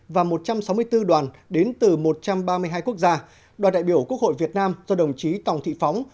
và một trăm sáu mươi bốn đoàn đến từ một trăm ba mươi hai quốc gia đoàn đại biểu quốc hội việt nam do đồng chí tòng thị phóng